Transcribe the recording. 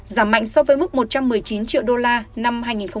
giảm mạnh so với mức một trăm một mươi chín triệu usd năm hai nghìn một mươi chín